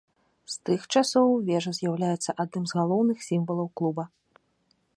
З тых часоў вежа з'яўляецца адным з галоўных сімвалаў клуба.